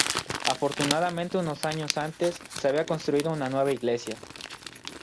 Afortunadamente unos años antes se había construido una nueva Iglesia.